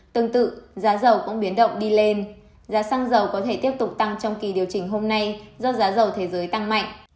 tương tự giá dầu cũng biến động đi lên giá xăng dầu có thể tiếp tục tăng trong kỳ điều chỉnh hôm nay do giá dầu thế giới tăng mạnh